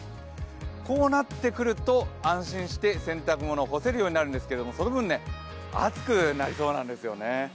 こうなってくると安心して洗濯物を干せるようになるんですけどその分、暑くなりそうなんですよね。